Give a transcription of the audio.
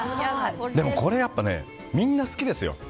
でも、これはやっぱりみんな好きですよ。